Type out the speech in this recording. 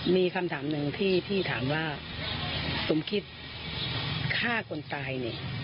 มีคำถามหนึ่งที่พี่ถามว่าสมคิดฆ่าคนตายเนี่ย